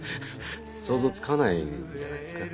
想像つかないんじゃないですか。